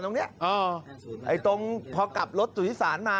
ผมเคยมีประสบการณ์